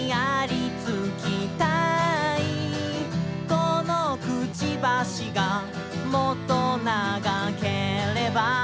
「このくちばしがもっと長ければ」